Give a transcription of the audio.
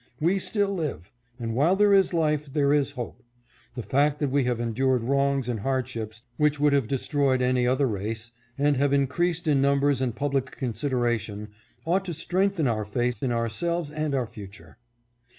We still live, and while there is life there is hope. The fact that we have endured wrongs and hardships which would have destroyed any other race, and have increased in numbers and public consideration, ought to strengthen our faith in ourselves and our future.